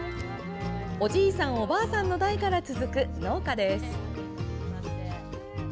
おじいさん、おばあさんの代から続く農家です。